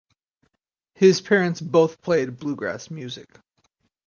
His parents both played bluegrass music.